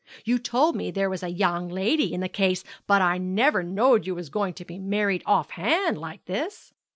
You told me there was a young lady in the case, but I never knowed you was going to be married off hand like this.'